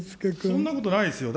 そんなことないですよ。